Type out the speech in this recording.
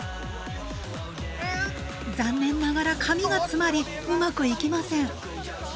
残念ながら紙が詰まりうまくいきません。